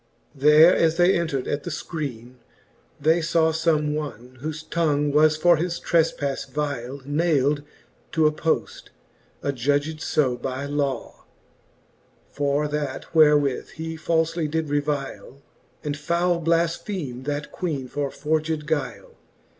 There as they entred at the fcriene, they faw Some one, whofe tongue was for his trefpafle vyle Nayld to a poft, adjudged fe by law : For that therewith he falfely did revyle. And foule blafpheme that Queene for forged guyle.